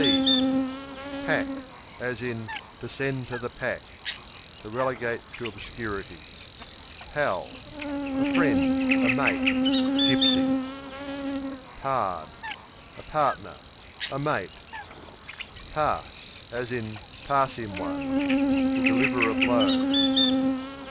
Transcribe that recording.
Pack, to send to the To relegate to obscurity. Pal A friend; a mate (Gipsy). Pard A partner; a mate. Pass (pass 'im one) To deliver a blow.